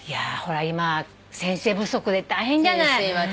今先生不足で大変じゃない。